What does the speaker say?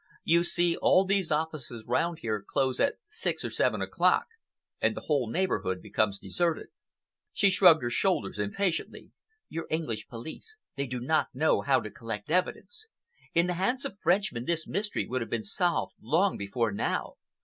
You see, all these offices round here close at six or seven o'clock, and the whole neighborhood becomes deserted." She shrugged her shoulders impatiently. "Your English police, they do not know how to collect evidence. In the hands of Frenchmen, this mystery would have been solved long before now.